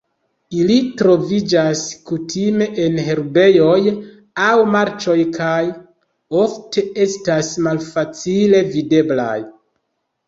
Ili troviĝas kutime en herbejoj aŭ marĉoj kaj ofte estas malfacile videblaj.